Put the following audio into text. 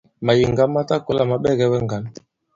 Màyìŋga ma ta kɔ̀la ma ɓɛgɛ wɛ ŋgǎn.